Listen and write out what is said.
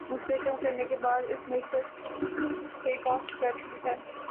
مستحکم کرنے کے بعد اب معیشت ٹیک آف کر چکی ہے